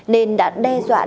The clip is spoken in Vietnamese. nên đã đe dọa xe máy